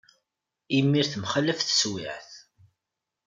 Imir temxalaf teswiεt.